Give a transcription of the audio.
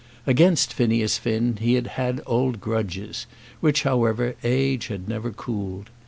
Against Phineas Finn he had old grudges, which, however, age had never cooled.